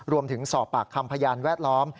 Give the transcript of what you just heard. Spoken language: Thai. รวมถึงสอบปากคำพยานแวดล้อม